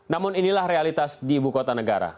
namun inilah realitas di ibu kota negara